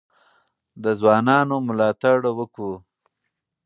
د ځوانانو ملاتړ وکړو.